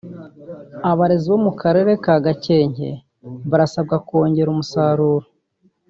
Abarezi bo mu Karere ka Gakenke barasabwa kongera umusaruro